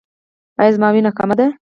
ایا زما وینه کمه ده؟